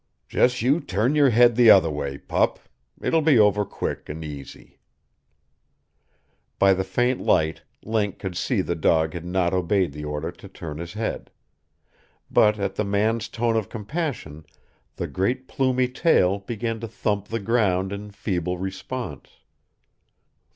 "Jes' you turn your head the other way, pup! It'll be over quick, an' easy." By the faint light Link could see the dog had not obeyed the order to turn his head. But at the man's tone of compassion the great plumy tail began to thump the ground in feeble response.